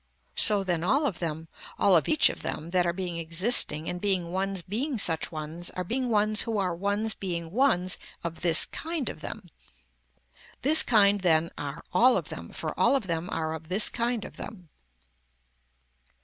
So then all of them all of each of them that are being existing and being ones being such ones are being ones who are ones being ones of this kind of them. This kind then are all of them for all of them are of this kind of them.